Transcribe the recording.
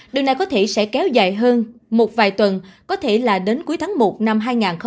điều này có thể sẽ kéo dài hơn một vài tuần có thể là đến cuối tháng một năm hai nghìn hai mươi